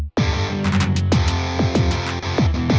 aku bukan dari tentang korban